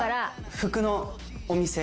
服のお店